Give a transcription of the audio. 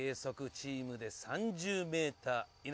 チームで３０ｍ以内。